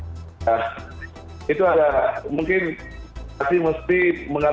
baik kita sejujurnya harap harap cemas ya dengan bagaimana respon dari aff mengingat nota protes ini sudah disampaikan